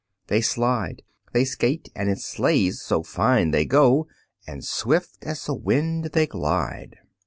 They slide, They skate, and in sleighs so fine they go, And swift as the wind they glide.